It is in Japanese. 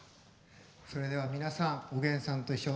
それでは皆さん「おげんさんといっしょ」